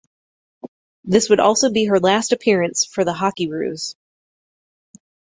This would also be her last appearance for the Hockeyroos.